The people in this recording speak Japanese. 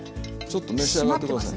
ちょっと召し上がって下さい。